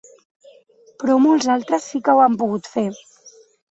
Però molts altres sí que ho han pogut fer.